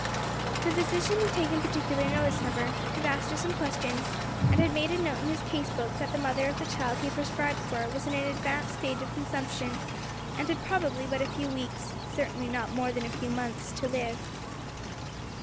The physician had taken particular notice of her, had asked her some questions, and had made a note in his case book that the mother of the child he had prescribed for was in an advanced stage of consumption, and had probably but a few weeks, certainly not more than a few months, to live.